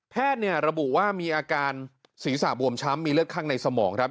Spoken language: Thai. ระบุว่ามีอาการศีรษะบวมช้ำมีเลือดข้างในสมองครับ